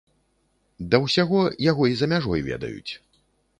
Да ўсяго, яго і за мяжой ведаюць.